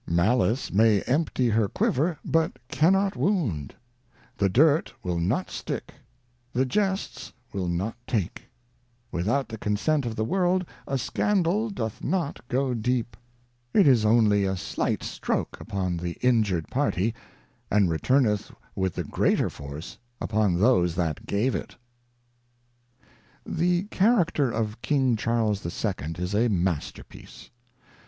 Malice may empty her Quiver, but cannot wound ; the Dirt will not stick, the Jests will not take ; Without the consent of the World a Scandal doth not go deep ; it is only a slight stroak upon the injured Party and returneth with the greater force upon those that gave it.' The Character of King Charles II is a masterpiece.